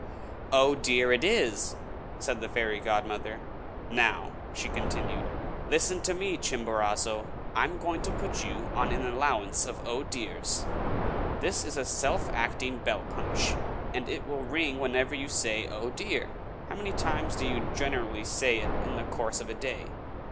"'Oh, dear!' it is!" said the fairy godmother. "Now," she continued, "listen to me, Chimborazo! I am going to put you on an allowance of 'Oh, dears.' This is a self acting bell punch, and it will ring whenever you say 'Oh, dear!' How many times do you generally say it in the course of the day?"